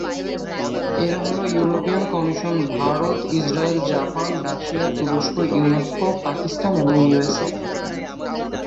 এরা হলো European Commission, Bharat, Israel, Japan, Russia, তুরস্ক, ইউনেস্কো, পাকিস্তান এবং ইউএসএ।